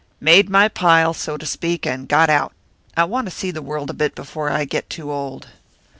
"Made my pile, so to speak, and got out. I want to see the world a bit before I get too old."